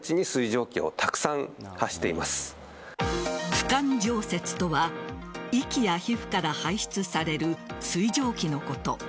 不感蒸泄とは息や皮膚から排出される水蒸気のこと。